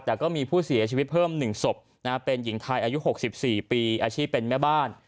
แต่ก็มีผู้เสียชีวิตเพิ่ม๑ศพเป็นหญิงไทยอายุ๖๔ปีอาชีพเป็นแม่บ้าน